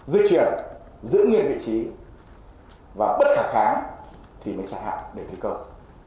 dịch chuyển giữ nguyên vị trí và bất khả kháng thì mới chặt hạ để thi công